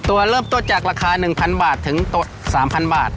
ตัวเริ่มต้นจากราคา๑๐๐บาทถึง๓๐๐บาท